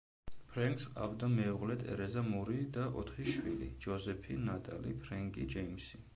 ფრენკს ჰყავდა მეუღლე ტერეზა მური და ოთხი შვილი: ჯოზეფი, ნატალი, ფრენკი, ჯეიმსი.